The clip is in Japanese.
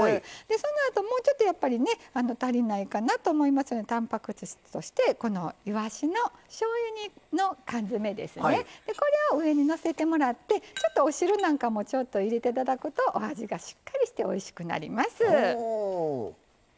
そのあと、もうちょっと足りないかなと思いますので、たんぱく質としていわしのしょうゆ煮の缶詰めを上にのせてもらってちょっとお汁なんかも入れていただくとお味がしっかりしておいしくなります。